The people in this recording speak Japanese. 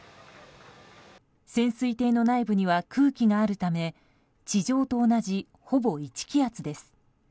潜水艇の内部には空気があるため地上と同じ、ほぼ１気圧です。